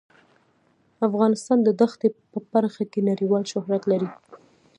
افغانستان د دښتې په برخه کې نړیوال شهرت لري.